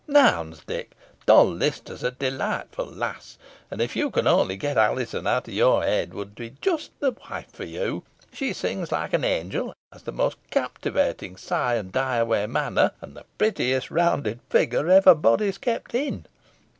Nouns! Dick, Doll Lister is a delightful lass, and if you can only get Alizon out of your head, would be just the wife for you. She sings like an angel, has the most captivating sigh and die away manner, and the prettiest rounded figure ever bodice kept in.